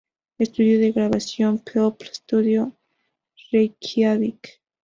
Estudio de grabación: People’s Studio, Reikiavik.